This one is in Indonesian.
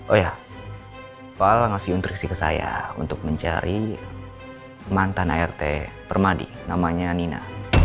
oh ya fal ngasih nutrisi ke saya untuk mencari mantan art permadi namanya nina